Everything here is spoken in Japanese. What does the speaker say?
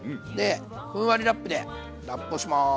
ふんわりラップでラップをします。